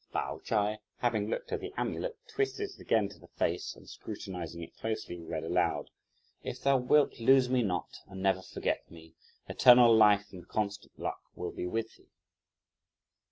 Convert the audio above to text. Pao Ch'ai having looked at the amulet, twisted it again to the face, and scrutinising it closely, read aloud: If thou wilt lose me not and never forget me, Eternal life and constant luck will be with thee!